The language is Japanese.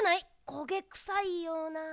こげくさいような。